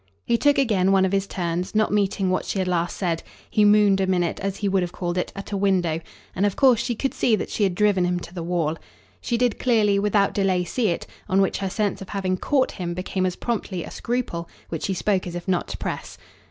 He took again one of his turns, not meeting what she had last said; he mooned a minute, as he would have called it, at a window; and of course she could see that she had driven him to the wall. She did clearly, without delay, see it; on which her sense of having "caught" him became as promptly a scruple, which she spoke as if not to press.